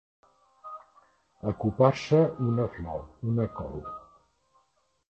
Acopar-se una flor, una col.